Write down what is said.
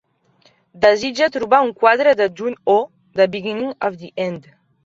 Desitge trobar un quadre de "Ju-On: The Beginning of the End"